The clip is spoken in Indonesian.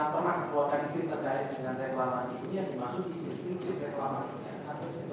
melakukan isi pelaksanaan reklama ini yang dimaksud isi isi reklama ini